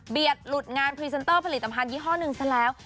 หลุดงานพรีเซนเตอร์ผลิตภัณฑยี่ห้อหนึ่งซะแล้ว